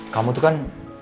kamu tuh kan